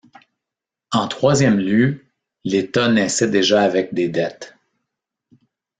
En troisième lieu, l'État naissait déjà avec des dettes.